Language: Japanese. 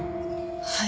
はい。